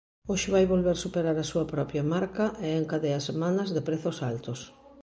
Hoxe vai volver superar a súa propia marca e encadea semanas de prezos altos.